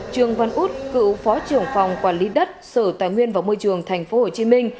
trường văn út cựu phó trưởng phòng quản lý đất sở tài nguyên và môi trường tp hcm